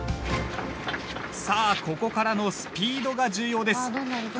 さあここからのスピードが重要です。